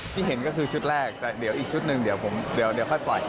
ที่เห็นก็คือชุดแรกแต่เดี๋ยวอีกชุดหนึ่งเดี๋ยวค่อยปล่อย